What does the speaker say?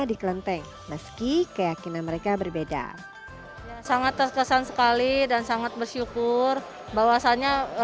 di kelenteng meski keyakinan mereka berbeda sangat terkesan sekali dan sangat bersyukur bahwasannya